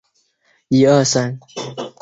他的母亲史蒂芬妮则是名的员工。